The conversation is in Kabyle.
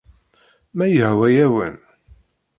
Ma yehwa-yawen...